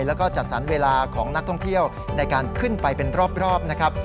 แล้วก็จัดสรรเวลาของนักท่องเที่ยวในการขึ้นไปเป็นรอบนะครับ